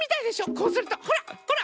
こうするとほらほら！